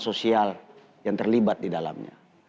sosial yang terlibat di dalamnya